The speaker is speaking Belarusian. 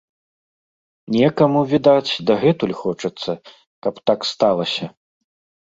Некаму, відаць, дагэтуль хочацца, каб так сталася.